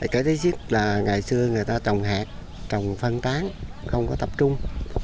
cái thứ giết là ngày xưa người ta trồng hạt trồng phân tán không có tập trung